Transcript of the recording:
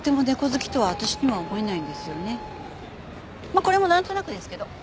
まあこれもなんとなくですけど。